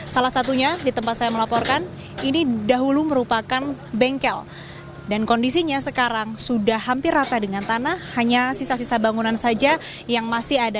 salah satunya di tempat saya melaporkan ini dahulu merupakan bengkel dan kondisinya sekarang sudah hampir rata dengan tanah hanya sisa sisa bangunan saja yang masih ada